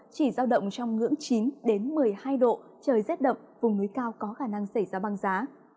chỉ giao động trong ngưỡng chín một mươi hai độ trời rét đậm vùng núi cao có khả năng xảy ra băng giá